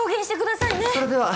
それでは！